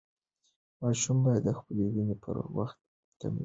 ماشوم باید د خپلې وینې پر باور تمرین وکړي.